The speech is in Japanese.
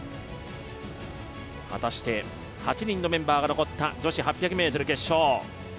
果たして８人のメンバーが残った女子８００ｍ決勝。